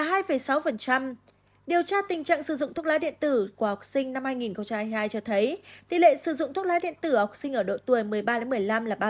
điều tra tình trạng sử dụng thuốc lá điện tử của học sinh năm hai nghìn hai mươi hai cho thấy tỷ lệ sử dụng thuốc lá điện tử học sinh ở độ tuổi một mươi ba một mươi năm là ba mươi